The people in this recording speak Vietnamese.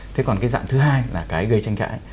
thế còn cái dạng thứ hai là cái gây tranh cãi